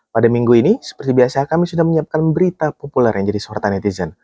pada minggu ini seperti biasa kami sudah menyiapkan berita populer yang jadi sorotan netizen